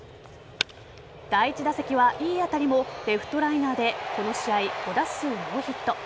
第１打席はいい当たりもレフトライナーでこの試合５打数ノーヒット。